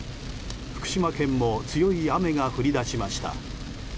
福島県も強い雨が降り出しました。